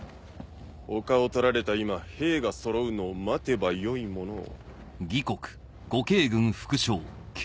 丘を取られた今兵がそろうのを待てばよいものを。